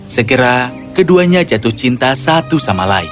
segera keduanya jatuh cinta satu sama lain